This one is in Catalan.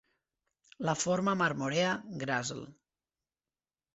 La forma "marmorea" Grasl.